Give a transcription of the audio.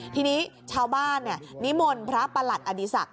ทีนี้ชาวบ้านนิมนต์พระประหลัดอดีศักดิ